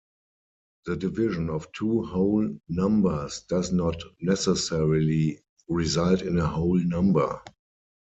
The division of two whole numbers does not necessarily result in a whole number.